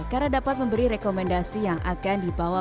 karena dapat memberi rekomendasi yang akan dibawa